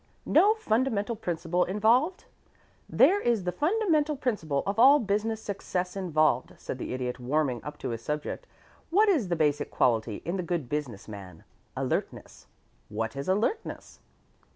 "No fundamental principle involved? There is the fundamental principle of all business success involved," said the Idiot, warming up to his subject. "What is the basic quality in the good business man? Alertness. What is 'alertness?'